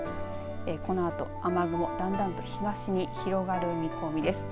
このあと雨雲だんだんと東に広がる見込みです。